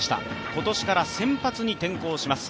今年から先発に転向します